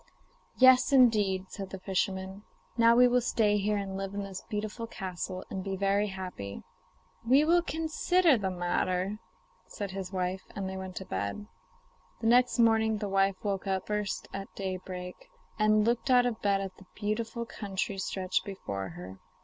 'Yes, indeed,' said the fisherman. 'Now we will stay here and live in this beautiful castle, and be very happy.' 'We will consider the matter,' said his wife, and they went to bed. The next morning the wife woke up first at daybreak, and looked out of the bed at the beautiful country stretched before her.